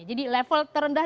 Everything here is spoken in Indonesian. jadi level terendah